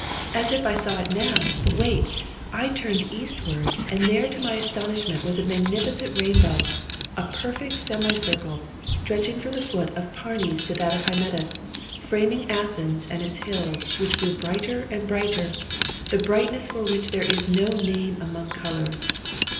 'As if I saw it now! But wait. I turned eastward, and there to my astonishment was a magnificent rainbow, a perfect semicircle, stretching from the foot of Parnes to that of Hymettus, framing Athens and its hills, which grew brighter and brighter the brightness for which there is no name among colours.